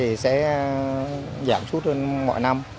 thì sẽ giảm suốt hơn mọi năm